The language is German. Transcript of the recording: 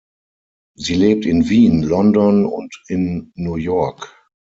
Sie lebt in Wien, London und in New York.